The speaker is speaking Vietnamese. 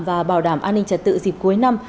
và bảo đảm an ninh trật tự dịp cuối năm